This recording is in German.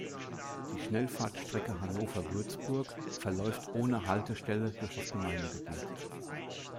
Die Schnellfahrstrecke Hannover–Würzburg verläuft ohne Haltestelle durch das Gemeindegebiet.